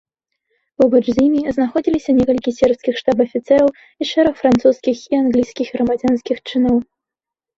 Побач з імі знаходзіліся некалькі сербскіх штаб-афіцэраў і шэраг французскіх і англійскіх грамадзянскіх чыноў.